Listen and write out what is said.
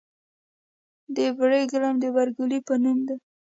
د برکیلیم د برکلي په نوم دی.